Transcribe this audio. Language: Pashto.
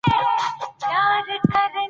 کلي د اوږدمهاله پایښت لپاره مهم رول لري.